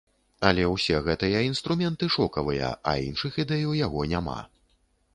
Але ўсе гэтыя інструменты шокавыя, а іншых ідэй у яго няма.